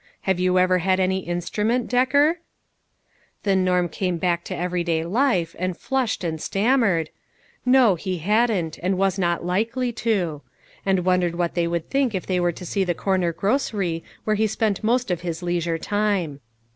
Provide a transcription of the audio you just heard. Have you ever had any instrument, Decker ?" Then Norm came back to every day life, and flushed and stammered. " No, he hadn't, and was not likely to;" and wondered what they BEADY TO TRY. 349 would think if they were to see the corner grocery where he spent most of his leisure time.